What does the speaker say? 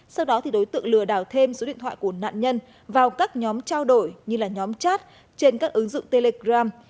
sau đó đối tượng lừa đảo thêm số điện thoại của nạn nhân vào các nhóm trao đổi như là nhóm chat trên các ứng dụng telegram